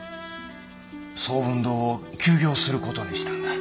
聡文堂を休業する事にしたんだ。